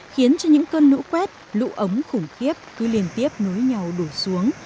khiến cho những cơn lũ quét lũ ống khủng khiếp cứ liên tiếp nối nhau đổ xuống